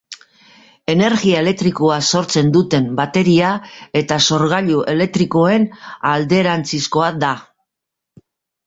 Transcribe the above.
Energia elektrikoa sortzen duten bateria eta sorgailu elektrikoen alderantzizkoa da.